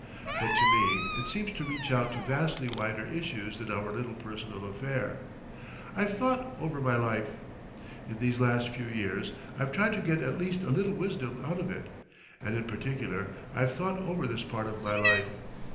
But to me it seems to reach out to vastly wider issues than our little personal affair. I've thought over my life. In these last few years I've tried to get at least a little wisdom out of it. And in particular I've thought over this part of my life.